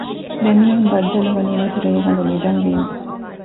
ދެމީހުން ބައްދަލުވަނީވެސް ރޭގަނޑު ނިދަން ވީމަ